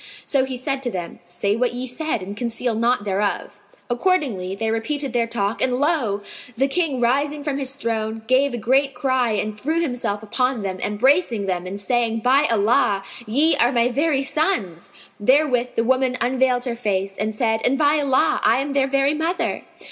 So he said to them, "Say what ye said and conceal naught thereof." Accordingly, they repeated their talk, and lo! the King rising from his throne, gave a great cry and threw himself upon them, embracing them and saying, "By Allah, ye are my very sons!" Therewith the woman unveiled her face and said, "And by Allah, I am their very mother."